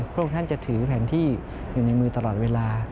พระองค์ท่านจะถือแผนที่อยู่ในมือตลอดเวลา